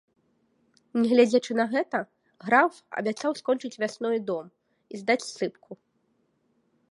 Нягледзячы на гэта, граф абяцаў скончыць вясною дом і здаць ссыпку.